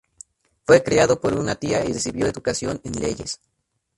Fue criado por una tía y recibió educación en leyes.